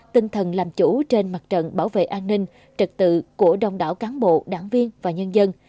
tinh thần làm chủ trên mặt trận bảo vệ an ninh trật tự của đông đảo cán bộ đảng viên và nhân dân